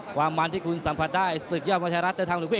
ความมั่นที่คุณสัมผัสได้ศึกยอดโมชาติรัฐเตอร์ทางหนุ่มคู่เอก